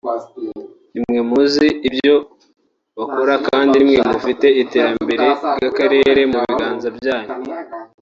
nimwe muzi ibyo bakora kandi nimwe mufite iterambere ry’akarere mu biganza byanyu